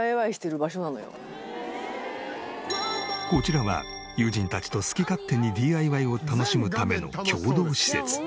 こちらは友人たちと好き勝手にＤＩＹを楽しむための共同施設。